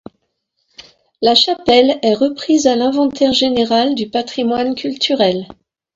La chapelle est reprise à l'inventaire général du patrimoine culturel.